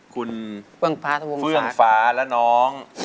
คุณเฟื้องฟ้าและน้อง